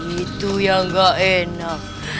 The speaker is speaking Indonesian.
itu yang gak enak